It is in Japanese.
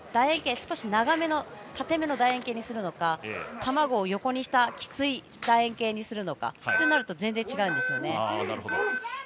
円形少し長めの縦めのだ円形にするのか卵を横にしたきついだ円形にするのかでは全然違うんですよね。